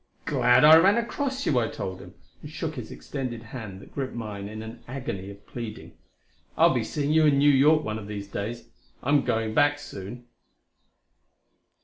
"Glad I ran across you," I told him, and shook his extended hand that gripped mine in an agony of pleading. "I'll be seeing you in New York one of these days; I am going back soon."